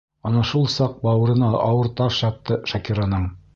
Ана шул саҡ бауырына ауыр таш ятты Шакираның.